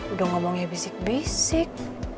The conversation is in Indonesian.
udah ngomongnya bisik bisik